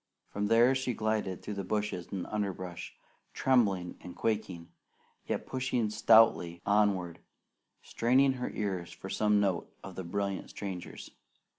From there she glided through the bushes and underbrush, trembling and quaking, yet pushing stoutly onward, straining her ears for some note of the brilliant stranger's.